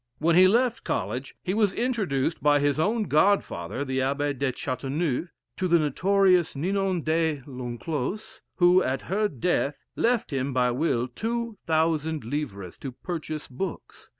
When he left College, he was introduced by his own godfather, the Abbe de Chateauneuf, to the notorious Ninon de l'Enclos, who, at her death, left him by will two thousand livres to purchase books.